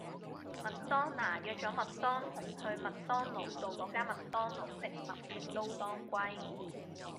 麥當娜約左麥當雄去麥當勞道個間麥當勞食麥皮撈當歸